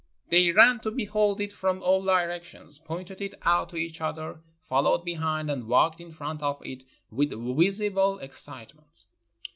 They ran to behold it from all directions, pointed it out to each other, followed behind and walked in front of it with visible excitement.